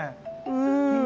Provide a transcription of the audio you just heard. うん。